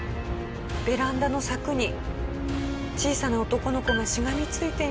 ベランダの柵に小さな男の子がしがみついています。